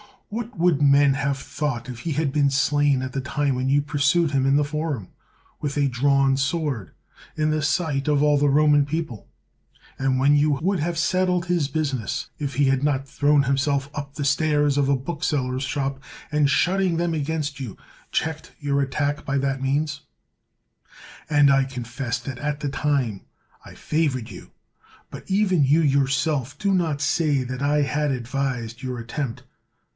What would men have thought if he had been slain at the time when you pursued him in the forum with a drawn sword, in the sight of all the Roman people ; and when you would have settled his business if he had not thrown himself up the stairs of a book seller's shop, and shutting them against you, checked your attack by that means t And I confess that at that time I favored you, but even you yourself do not say that I had advised your attempt.